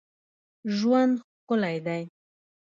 ژوند ښکلی دئ.